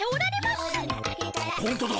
ほんとだ。